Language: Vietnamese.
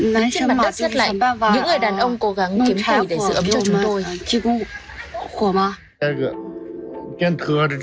trên mặt đất rất lạnh những người đàn ông cố gắng kiếm thủy để giữ ẩm cho chúng tôi